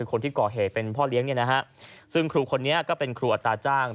คนที่เป็นเกาะเหเป็นพ่อเลี้ยงซึ่งครูคนนี้เป็นครูอัตราจ้าง